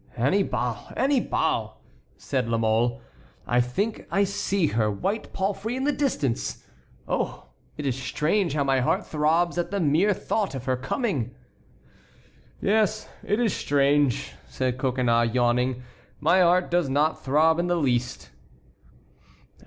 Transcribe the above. "Annibal! Annibal!" said La Mole, "I think that I see her white palfrey in the distance. Oh! it is strange how my heart throbs at the mere thought of her coming!" "Yes, it is strange," said Coconnas, yawning; "my heart does not throb in the least."